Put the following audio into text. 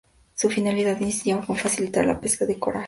Su finalidad inicial era facilitar la pesca de coral.